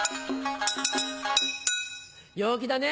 陽気だね！